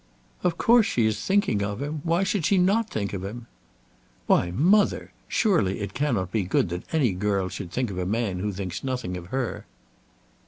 "Of course she is thinking of him. Why should she not think of him?" "Why, mother! Surely it cannot be good that any girl should think of a man who thinks nothing of her!"